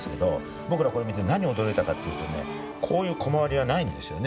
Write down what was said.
僕らこれ見て何に驚いたかっていうとねこういうコマ割りはないんですよね